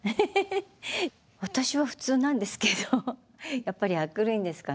私は普通なんですけどやっぱり明るいんですかね。